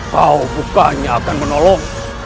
kau bukannya akan menolong